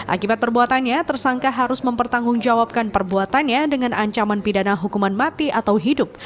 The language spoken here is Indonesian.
akibat perbuatannya tersangka harus mempertanggungjawabkan perbuatannya dengan ancaman pidana hukuman mati atau hidup